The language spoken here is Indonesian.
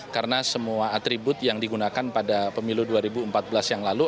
karena semua atribut yang digunakan pada pemilu dua ribu empat belas yang lalu